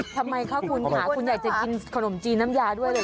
ทำไมคะคุณค่ะคุณอยากจะกินขนมจีนน้ำยาด้วยเลย